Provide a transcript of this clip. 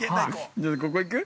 ◆じゃあ、ここ行く？